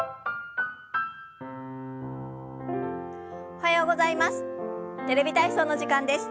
おはようございます。